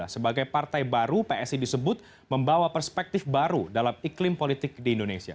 sebagai partai baru psi disebut membawa perspektif baru dalam iklim politik di indonesia